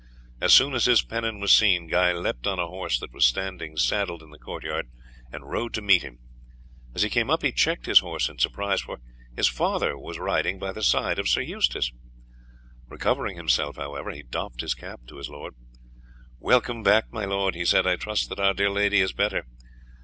As soon as his pennon was seen Guy leapt on a horse that was standing saddled in the court yard, and rode to meet them. As he came up he checked his horse in surprise, for his father was riding by the side of Sir Eustace. Recovering himself, however, he doffed his cap to his lord. "Welcome back, my lord!" he said. "I trust that our dear lady is better."